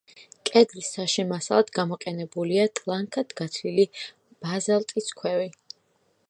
კედლის საშენ მასალად გამოყენებულია ტლანქად გათლილი ბაზალტის ქვები.